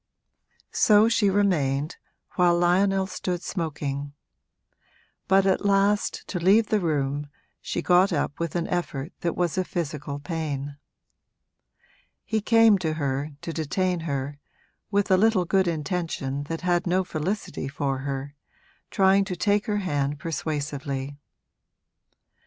So she remained, while Lionel stood smoking; but at last, to leave the room, she got up with an effort that was a physical pain. He came to her, to detain her, with a little good intention that had no felicity for her, trying to take her hand persuasively.